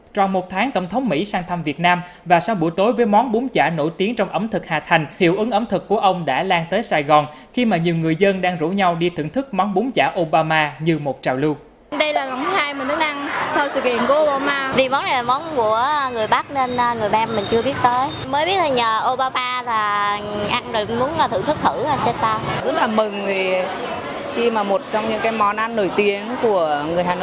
trong một tháng tổng thống mỹ sang thăm việt nam và sau buổi tối với món bún chả nổi tiếng trong ẩm thực hà thành hiệu ứng ẩm thực của ông đã lan tới sài gòn khi mà nhiều người dân đang rủ nhau đi thưởng thức món bún chả obama như một trào lưu